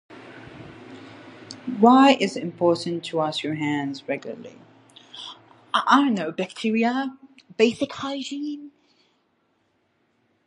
Why is it important to wash your hands regularly? I know... bacteria? Basic hygiene?